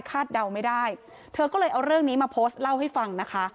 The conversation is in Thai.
เดาไม่ได้เธอก็เลยเอาเรื่องนี้มาโพสต์เล่าให้ฟังนะคะ